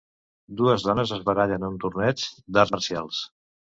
Dues dones es barallen en un torneig d'arts marcials.